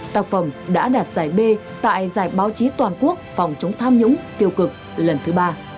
tác phẩm đã đạt giải b tại giải báo chí toàn quốc phòng chống tham nhũng tiêu cực lần thứ ba